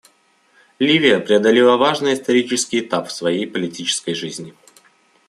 Ливия преодолела важный исторический этап в своей политической жизни.